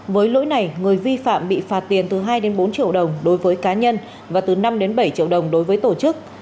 với lỗi này người vi phạm bị phạt tiền từ hai đến bốn triệu đồng đối với cá nhân và từ năm bảy triệu đồng đối với tổ chức